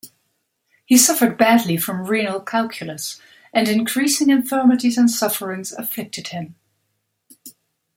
He suffered badly from renal calculus, and increasing infirmities and sufferings afflicted him.